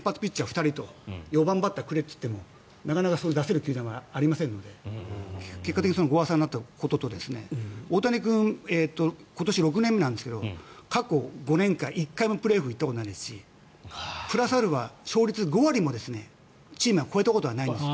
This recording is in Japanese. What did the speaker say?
２人と４番バッターをくれと言ってもなかなか出せる球団はありませんので結果的にご破算になったことと大谷君は今年６年目なんですが過去５年間、１回もプレーオフ行ったことないですしプラスアルファ、勝率５割もチームは超えたことないんです。